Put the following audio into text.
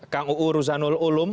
kang uu ruzanul ulum